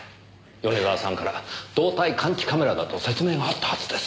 米沢さんから動体感知カメラだと説明があったはずです。